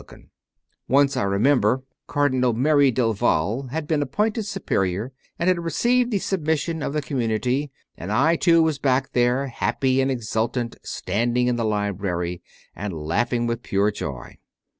CONFESSIONS OF A CONVERT 77 Once, I remember, Cardinal Merry del Val had been appointed Superior and had received the submission of the community, and I, too, was back there, happy and exultant, standing in the library and laughing with pure joy.